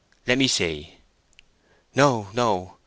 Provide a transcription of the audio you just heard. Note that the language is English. "Let me see." "No, no!"